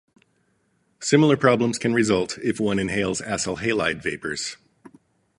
Similar problems can result if one inhales acyl halide vapors.